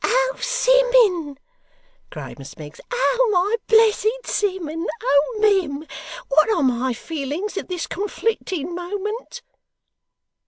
'Oh Simmun!' cried Miss Miggs. 'Oh my blessed Simmun! Oh mim! what are my feelings at this conflicting moment!